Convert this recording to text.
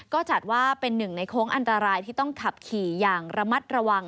ก็จัดว่าเป็นหนึ่งในโค้งอันตรายที่ต้องขับขี่อย่างระมัดระวัง